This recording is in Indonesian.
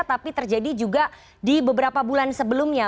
tapi terjadi juga di beberapa bulan sebelumnya